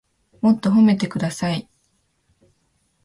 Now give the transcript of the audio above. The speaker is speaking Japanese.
もっと褒めてください